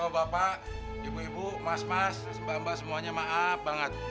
bapak ibu ibu mas mas mbak mbak semuanya maaf banget